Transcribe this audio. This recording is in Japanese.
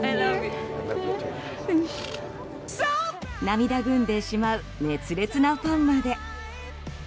涙ぐんでしまう熱烈なファンまで。